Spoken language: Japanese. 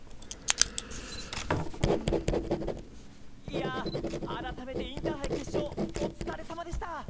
いや改めてインターハイ決勝お疲れ様でした！